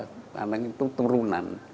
karena itu turunan